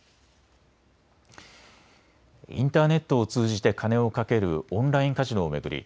インターネットを通じて金を賭けるオンラインカジノを巡り